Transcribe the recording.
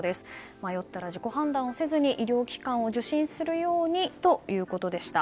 迷ったら自己判断せずに医療機関を受診するようにということでした。